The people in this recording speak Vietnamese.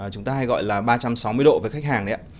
chúng ta hay gọi là ba trăm sáu mươi độ với khách hàng đấy ạ